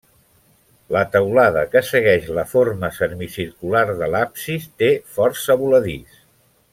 La teulada, que segueix la forma semicircular de l'absis, té força voladís.